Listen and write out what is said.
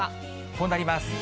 こうなります。